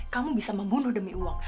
kamu bisa membunuh demi uang